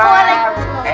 pak d masih disini